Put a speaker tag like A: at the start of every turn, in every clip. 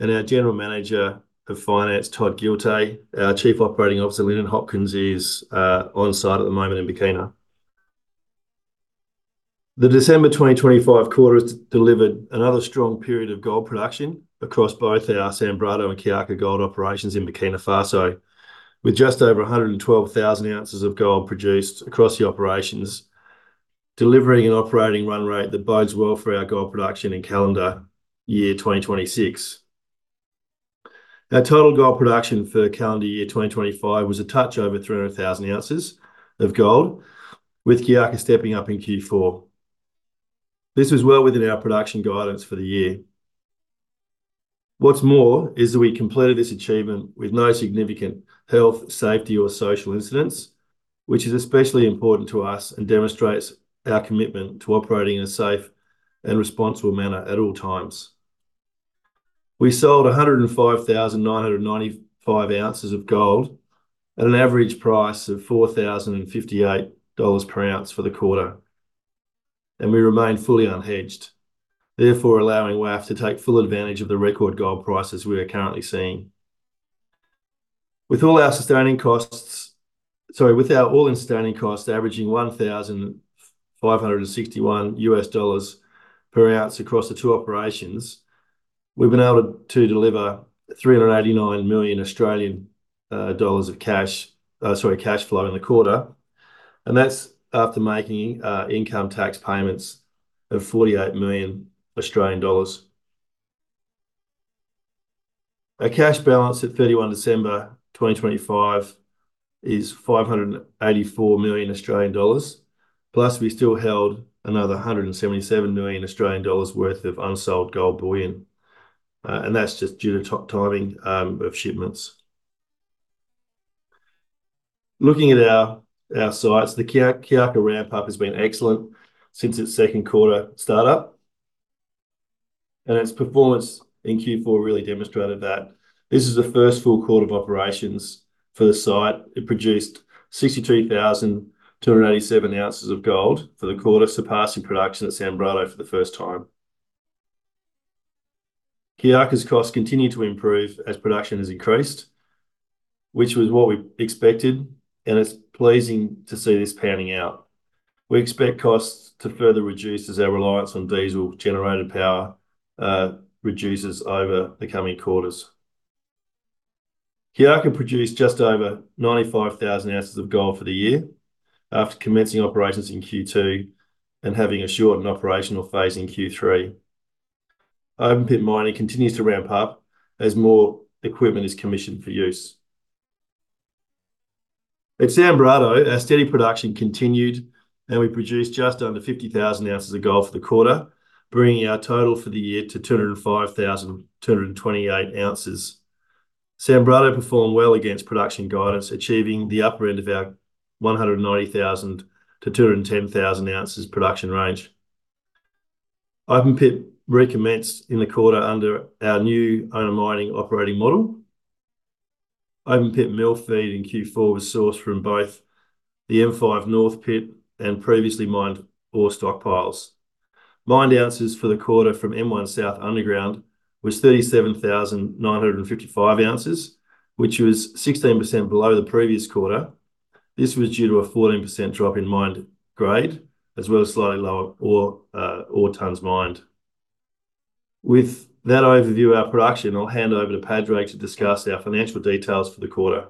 A: you, and our General Manager of Finance, Todd Giltay. Our Chief Operating Officer, Lyndon Hopkins, is on site at the moment in Burkina. The December 2025 quarter has delivered another strong period of gold production across both our Sanbrado and Kiaka gold operations in Burkina Faso, with just over 112,000 ounces of gold produced across the operations, delivering an operating run rate that bodes well for our gold production in calendar year 2026. Our total gold production for calendar year 2025 was a touch over 300,000 ounces of gold, with Kiaka stepping up in Q4. This was well within our production guidance for the year. What's more, is that we completed this achievement with no significant health, safety, or social incidents, which is especially important to us and demonstrates our commitment to operating in a safe and responsible manner at all times. We sold 105,995 ounces of gold at an average price of $4,058 per ounce for the quarter, and we remain fully unhedged, therefore allowing WAF to take full advantage of the record gold prices we are currently seeing. With all our sustaining costs, sorry, with our all-in sustaining cost averaging $1,561 per ounce across the two operations, we've been able to deliver 389 million Australian dollars of cash, sorry, cash flow in the quarter, and that's after making income tax payments of 48 million Australian dollars. Our cash balance at 31 December 2025 is 584 million Australian dollars, plus we still held another 177 million Australian dollars worth of unsold gold bullion, and that's just due to timing of shipments. Looking at our sites, the Kiaka ramp-up has been excellent since its second quarter start-up, and its performance in Q4 really demonstrated that. This is the first full quarter of operations for the site. It produced 62,287 ounces of gold for the quarter, surpassing production at Sanbrado for the first time. Kiaka's costs continue to improve as production has increased, which was what we expected, and it's pleasing to see this panning out. We expect costs to further reduce as our reliance on diesel generator power reduces over the coming quarters. Kiaka produced just over 95,000 ounces of gold for the year after commencing operations in Q2 and having a shortened operational phase in Q3. Open pit mining continues to ramp up as more equipment is commissioned for use. At Sanbrado, our steady production continued, and we produced just under 50,000 ounces of gold for the quarter, bringing our total for the year to 205,228 ounces. Sanbrado performed well against production guidance, achieving the upper end of our 190,000 to 210,000 ounces production range. Open pit recommenced in the quarter under our new owner mining operating model. Open pit mill feed in Q4 was sourced from both the M5 North Pit and previously mined ore stockpiles. Mined ounces for the quarter from M1 South Underground was 37,955 ounces, which was 16% below the previous quarter. This was due to a 14% drop in mined grade, as well as slightly lower ore tonnes mined. With that overview of our production, I'll hand over to Padraig to discuss our financial details for the quarter.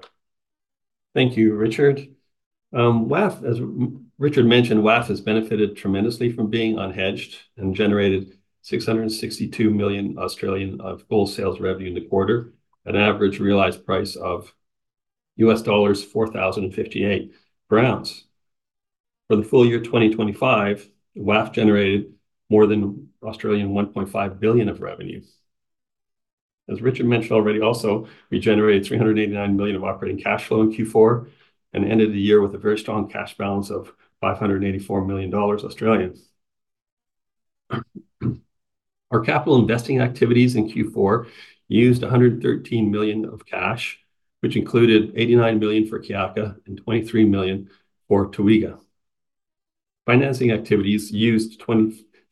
B: Thank you, Richard. WAF, as Richard mentioned, WAF has benefited tremendously from being unhedged and generated 662 million of gold sales revenue in the quarter, an average realized price of $4,058 per ounce. For the full year 2025, WAF generated more than 1.5 billion of revenue. As Richard mentioned already also, we generated 389 million of operating cash flow in Q4 and ended the year with a very strong cash balance of 584 million Australian dollars. Our capital investing activities in Q4 used 113 million of cash, which included 89 million for Kiaka and 23 million for Toega. Financing activities used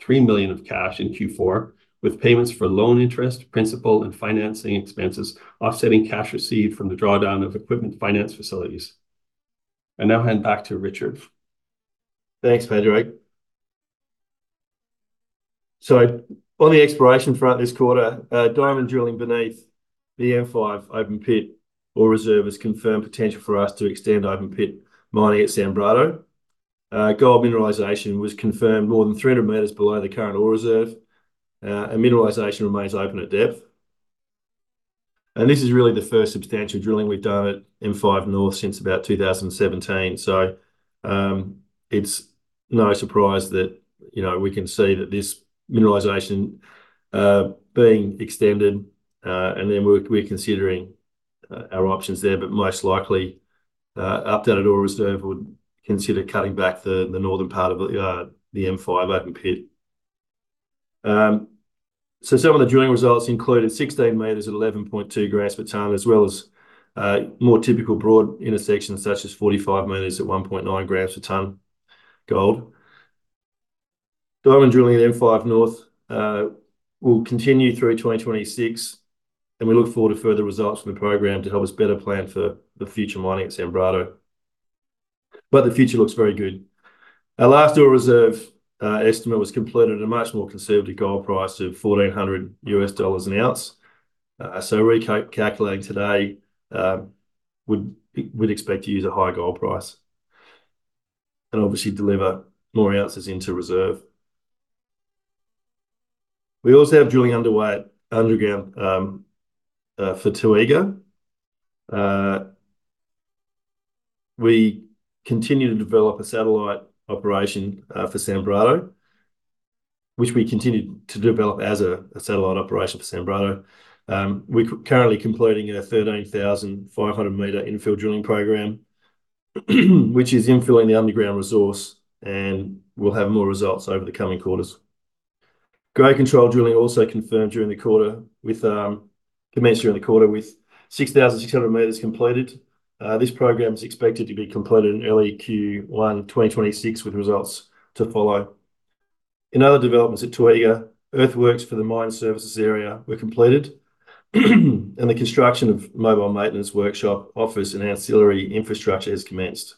B: 23 million of cash in Q4, with payments for loan interest, principal, and financing expenses offsetting cash received from the drawdown of equipment finance facilities. I now hand back to Richard.
A: Thanks, Padraig. So on the exploration front this quarter, diamond drilling beneath the M5 open pit ore reserve has confirmed potential for us to extend open pit mining at Sanbrado. Gold mineralization was confirmed more than 300 meters below the current ore reserve, and mineralization remains open at depth. And this is really the first substantial drilling we've done at M5 North since about 2017. So, it's no surprise that, you know, we can see that this mineralization, being extended, and then we're considering our options there. But most likely, updated ore reserve would consider cutting back the northern part of the M5 open pit. So some of the drilling results included 16 meters at 11.2 grams per tonne, as well as more typical broad intersections, such as 45 meters at 1.9 grams per tonne gold. Diamond drilling at M5 North will continue through 2026, and we look forward to further results from the program to help us better plan for the future mining at Sanbrado. But the future looks very good. Our last ore reserve estimate was completed at a much more conservative gold price of $1,400 an ounce. So recalculating today, we'd expect to use a higher gold price, and obviously deliver more ounces into reserve. We also have drilling underway at underground for Toega. We continue to develop a satellite operation for Sanbrado, which we continued to develop as a satellite operation for Sanbrado. We're currently completing a 13,500-meter infill drilling program, which is infilling the underground resource, and we'll have more results over the coming quarters. Grade control drilling also commenced during the quarter, with 6,600 meters completed. This program is expected to be completed in early Q1 2026, with results to follow. In other developments at Toega, earthworks for the mine services area were completed, and the construction of mobile maintenance workshop, office and ancillary infrastructure has commenced.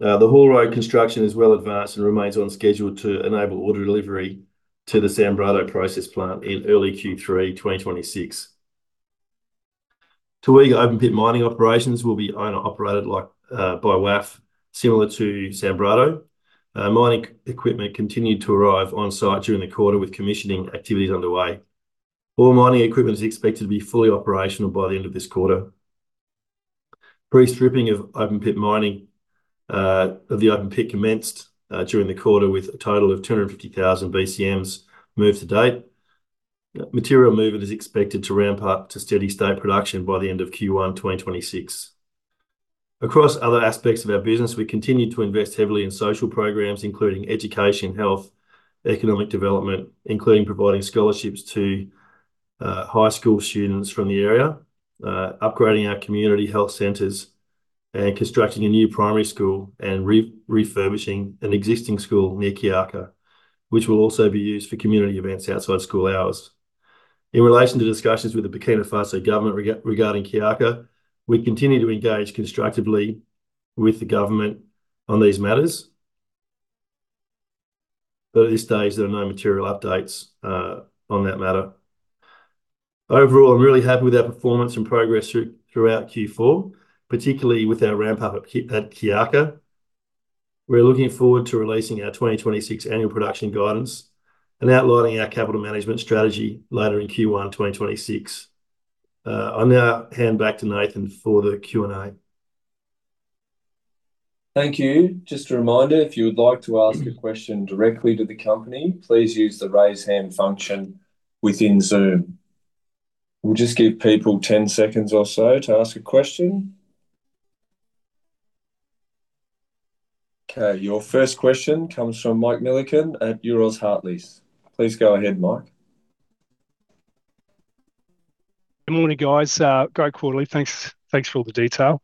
A: The haul road construction is well advanced and remains on schedule to enable ore delivery to the Sanbrado process plant in early Q3 2026. Toega open pit mining operations will be owner-operated, like, by WAF, similar to Sanbrado. Mining equipment continued to arrive on site during the quarter, with commissioning activities underway. All mining equipment is expected to be fully operational by the end of this quarter. Pre-stripping of open pit mining of the open pit commenced during the quarter, with a total of 250,000 BCMs moved to date. Material movement is expected to ramp up to steady state production by the end of Q1 2026. Across other aspects of our business, we continued to invest heavily in social programs, including education, health, economic development, including providing scholarships to high school students from the area. Upgrading our community health centers, and constructing a new primary school, and refurbishing an existing school near Kiaka, which will also be used for community events outside school hours. In relation to discussions with the Burkina Faso government regarding Kiaka, we continue to engage constructively with the government on these matters, but at this stage, there are no material updates on that matter. Overall, I'm really happy with our performance and progress throughout Q4, particularly with our ramp-up at Kiaka. We're looking forward to releasing our 2026 annual production guidance, and outlining our capital management strategy later in Q1, 2026. I'll now hand back to Nathan for the Q&A.
C: Thank you. Just a reminder, if you would like to ask a question directly to the company, please use the Raise Hand function within Zoom. We'll just give people ten seconds or so to ask a question. Okay, your first question comes from Mike Millikan at Euroz Hartleys. Please go ahead, Mike.
D: Good morning, guys. Great quarterly. Thanks, thanks for all the detail.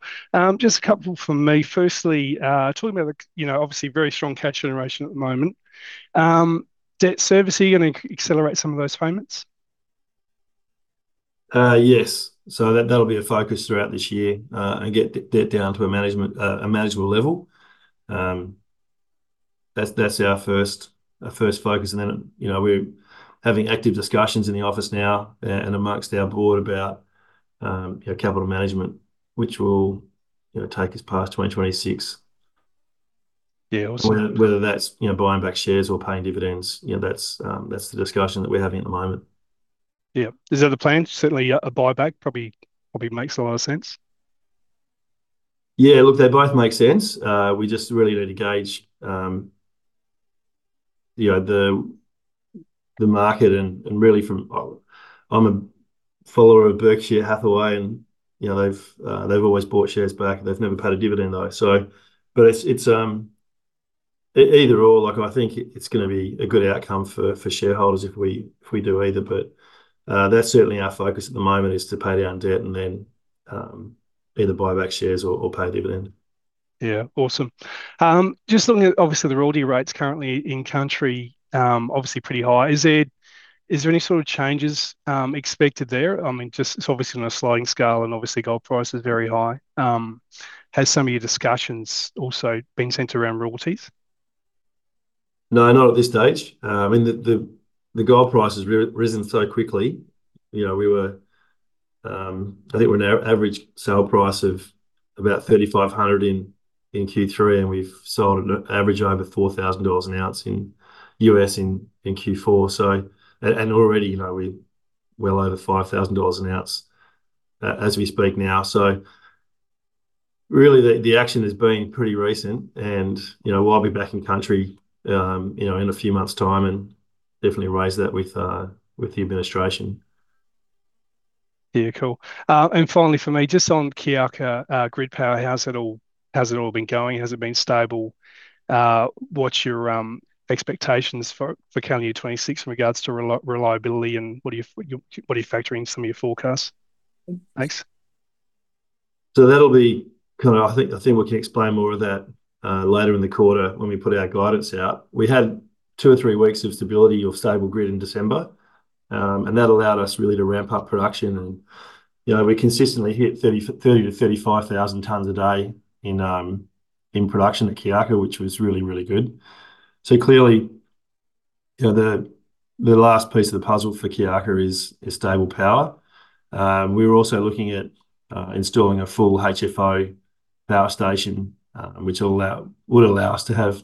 D: Just a couple from me. Firstly, talking about the, you know, obviously very strong cash generation at the moment. Debt service, are you gonna accelerate some of those payments?
A: Yes. So that, that'll be a focus throughout this year, and get debt down to a manageable level. That's our first focus. And then, you know, we're having active discussions in the office now and amongst our board about, you know, capital management, which will, you know, take us past 2026.
D: Yeah, awesome. Whether that's, you know, buying back shares or paying dividends, you know, that's the discussion that we're having at the moment. Is that the plan? Certainly, yeah, a buyback probably, probably makes a lot of sense.
A: look, they both make sense. We just really need to gauge, you know, the market and really from... I'm a follower of Berkshire Hathaway, and, you know, they've always bought shares back, and they've never paid a dividend though. But it's either or, like, I think it's gonna be a good outcome for shareholders if we do either. But that's certainly our focus at the moment, is to pay down debt and then either buy back shares or pay a dividend.
D: Awesome. Just looking at, obviously, the royalty rates currently in country, obviously pretty high. Is there, is there any sort of changes expected there? I mean, just, it's obviously on a sliding scale, and obviously gold price is very high. Has some of your discussions also been centered around royalties?
A: No, not at this stage. I mean, the gold price has risen so quickly. You know, we were, I think we're now average sale price of about $3,500 in Q3, and we've sold at an average over $4,000 an ounce in just Q4. So already, you know, we're well over $5,000 an ounce as we speak now. So really, the action has been pretty recent and, you know, I'll be back in country in a few months' time and definitely raise that with the administration.
D: Yeah. Cool. And finally for me, just on Kiaka, grid power, how's it all been going? Has it been stable? What's your expectations for calendar year 2026 in regards to reliability, and what are you factoring in some of your forecasts? Thanks.
A: So that'll be kind of—I think we can explain more of that later in the quarter when we put our guidance out. We had two or three weeks of stability or stable grid in December, and that allowed us really to ramp up production. And, you know, we consistently hit 30-35,000 tons a day in production at Kiaka, which was really, really good. So clearly, you know, the last piece of the puzzle for Kiaka is stable power. We're also looking at installing a full HFO power station, which would allow us to have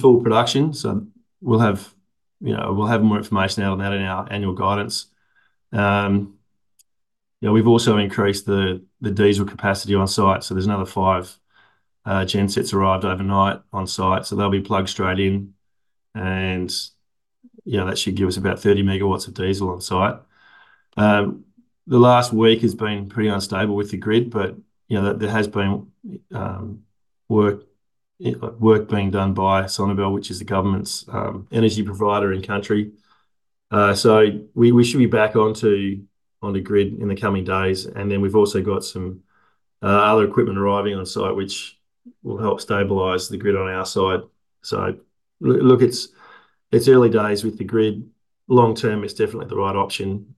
A: full production. So we'll have, you know, we'll have more information out on that in our annual guidance. You know, we've also increased the diesel capacity on site, so there's another five gensets arrived overnight on site, so they'll be plugged straight in. Yeah, that should give us about 30 megawatts of diesel on site. The last week has been pretty unstable with the grid, but you know, there has been work being done by SONABEL, which is the government's energy provider in country. So we should be back onto the grid in the coming days. And then we've also got some other equipment arriving on site, which will help stabilize the grid on our side. So look, it's early days with the grid. Long term, it's definitely the right option.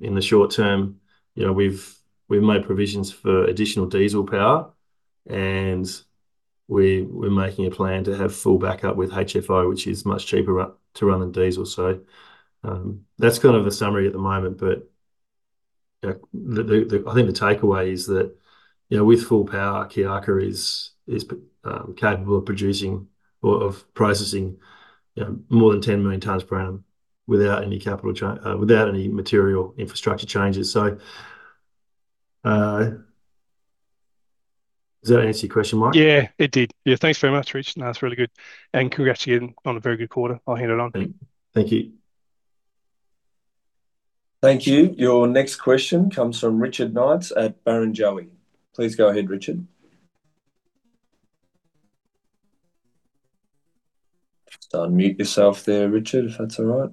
A: In the short term, you know, we've, we've made provisions for additional diesel power, and we're, we're making a plan to have full backup with HFO, which is much cheaper to run than diesel. So, that's kind of a summary at the moment, but, the... I think the takeaway is that, you know, with full power, Kiaka is, is, capable of producing or of processing, you know, more than 10 million tons per annum without any capital -- without any material infrastructure changes. So, does that answer your question, Mike?
D: Yeah, it did. Yeah. Thanks very much, Rich. No, it's really good. And congrats again on a very good quarter. I'll hand it on.
A: Thank you.
C: Thank you. Your next question comes from Richard Knights at Barrenjoey. Please go ahead, Richard. Just unmute yourself there, Richard, if that's all right.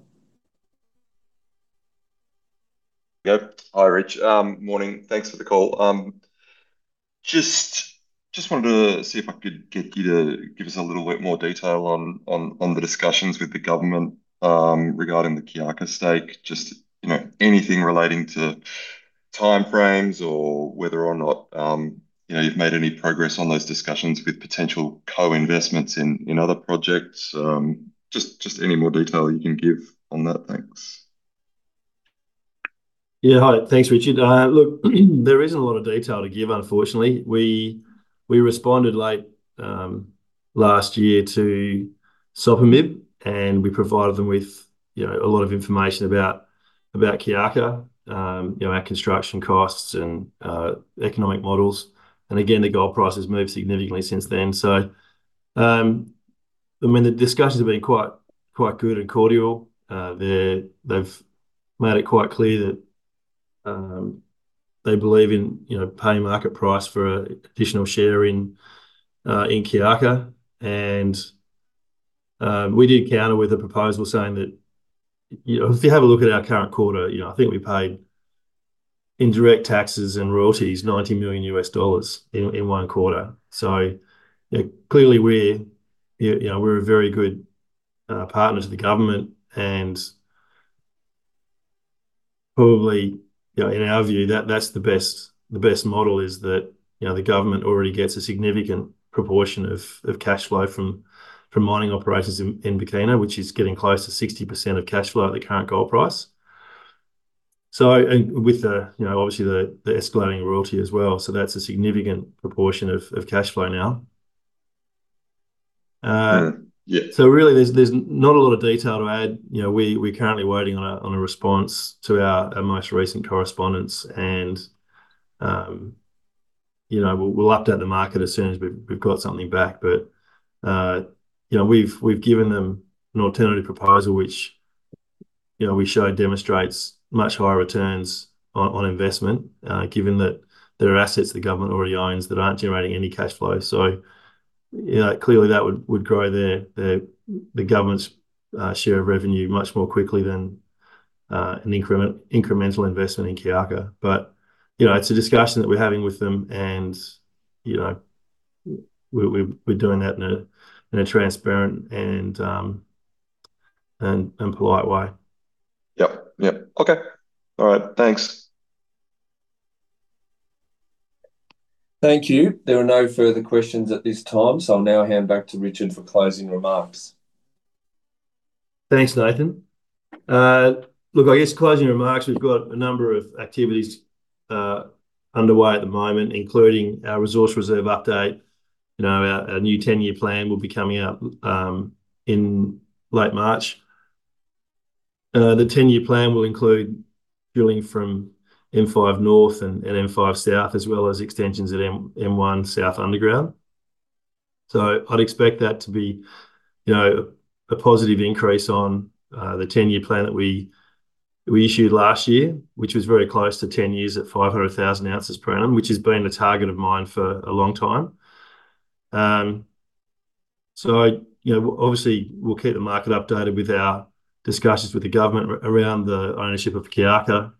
E: Yep. Hi, Rich. Morning. Thanks for the call. Just wanted to see if I could get you to give us a little bit more detail on the discussions with the government regarding the Kiaka stake. Just, you know, anything relating to timeframes or whether or not, you know, you've made any progress on those discussions with potential co-investments in other projects. Just any more detail you can give on that. Thanks.
A: Yeah. Hi. Thanks, Richard. Look, there isn't a lot of detail to give, unfortunately. We responded late last year to SOPAMIB, and we provided them with, you know, a lot of information about Kiaka, you know, our construction costs and economic models. And again, the gold price has moved significantly since then. So, I mean, the discussions have been quite good and cordial. They're-- they've made it quite clear that they believe in, you know, paying market price for a additional share in Kiaka. And we did counter with a proposal saying that, you know, if you have a look at our current quarter, you know, I think we paid in direct taxes and royalties, $90 million in one quarter. So, you know, clearly we're, you know, we're a very good partner to the government and probably, you know, in our view, that's the best model is that, you know, the government already gets a significant proportion of cash flow from mining operations in Burkina, which is getting close to 60% of cash flow at the current gold price. So, and with the, you know, obviously, the escalating royalty as well, so that's a significant proportion of cash flow now. So really, there's not a lot of detail to add. You know, we're currently waiting on a response to our most recent correspondence and, you know, we'll update the market as soon as we've got something back. But, you know, we've given them an alternative proposal, which, you know, we show demonstrates much higher returns on investment, given that there are assets the government already owns that aren't generating any cash flow. So, you know, clearly, that would grow their, the government's share of revenue much more quickly than an incremental investment in Kiaka. But, you know, it's a discussion that we're having with them, and, you know, we're doing that in a transparent and polite way.
E: Yep. Yep. Okay. All right. Thanks.
C: Thank you. There are no further questions at this time, so I'll now hand back to Richard for closing remarks.
A: Thanks, Nathan. Look, I guess closing remarks, we've got a number of activities underway at the moment, including our resource reserve update. You know, our new ten-year plan will be coming out in late March. The ten-year plan will include drilling from M5 North and M5 South, as well as extensions at M1 South underground. So I'd expect that to be, you know, a positive increase on the ten-year plan that we issued last year, which was very close to 10 years at 500,000 ounces per annum, which has been a target of mine for a long time. So, you know, obviously, we'll keep the market updated with our discussions with the government around the ownership of Kiaka,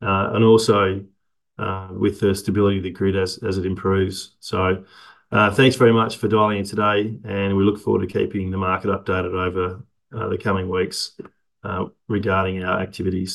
A: and also with the stability of the grid as it improves. Thanks very much for dialing in today, and we look forward to keeping the market updated over the coming weeks regarding our activities.